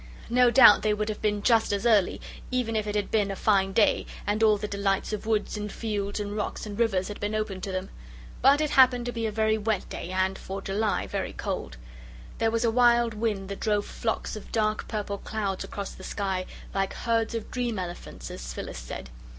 No doubt they would have been just as early, even if it had been a fine day, and all the delights of woods and fields and rocks and rivers had been open to them. But it happened to be a very wet day and, for July, very cold. There was a wild wind that drove flocks of dark purple clouds across the sky "like herds of dream elephants," as Phyllis said.